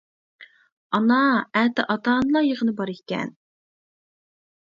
-ئانا، ئەتە ئاتا-ئانىلار يىغىنى بار ئىكەن.